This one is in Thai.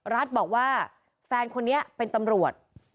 รัฐบอกว่าแฟนคนนี้เป็นตำรวจ